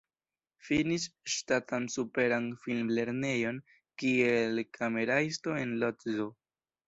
Finis Ŝtatan Superan Film-Lernejon kiel kameraisto en Lodzo.